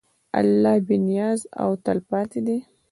الله بېنیاز او تلپاتې دی.